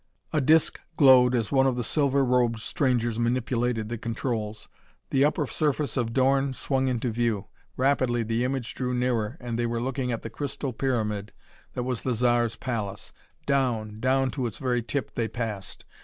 A disc glowed as one of the silver robed strangers manipulated the controls. The upper surface of Dorn swung into view. Rapidly the image drew nearer and they were looking at the crystal pyramid that was the Zar's palace. Down, down to its very tip they passed.